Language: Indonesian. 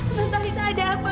ron talita ada apa